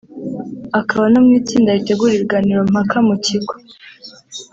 akaba no mu itsinda ritegura ibiganiro mpaka mu kigo